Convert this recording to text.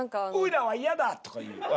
「オイラは嫌だ！」とかいう